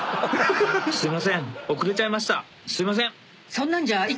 すいません！